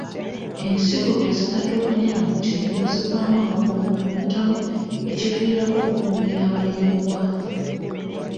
Ensigo ezitatuukaanye na mutindo zivaamu amakungula matono ekiviirako okukuumira abalimi mu bwavu.